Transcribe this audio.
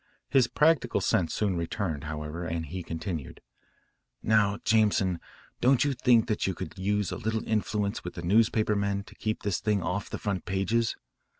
His practical sense soon returned, however, and he continued, "Now, Jameson, don't you think you could use a little influence with the newspaper men to keep this thing off the front pages?